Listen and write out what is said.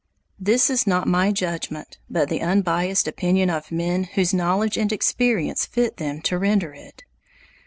This is not my judgment, but the unbiased opinion of men whose knowledge and experience fit them to render it.